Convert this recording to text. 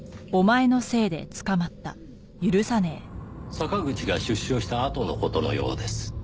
坂口が出所したあとの事のようです。